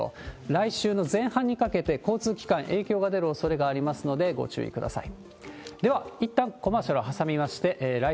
来週の前半にかけて、交通機関、影響が出るおそれがありますので、ご注意ください。